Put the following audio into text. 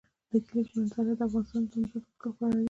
د کلیزو منظره د افغانستان د دوامداره پرمختګ لپاره اړین دي.